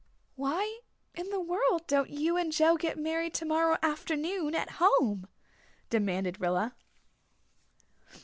"Why in the world don't you and Joe get married tomorrow afternoon at home?" demanded Rilla.